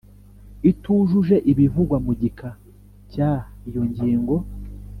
itujuje ibivugwa mu gika cya cy iyo ngingo